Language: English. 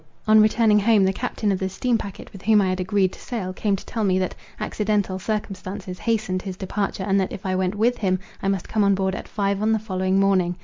On returning home, the captain of the steam packet with whom I had agreed to sail, came to tell me, that accidental circumstances hastened his departure, and that, if I went with him, I must come on board at five on the following morning.